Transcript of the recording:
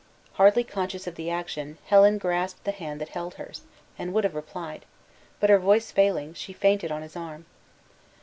Hardly conscious of the action, Helen grasped the hand that held hers, and would have replied; but her voice failing, she fainted on his arm.